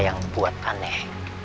yang buat aneh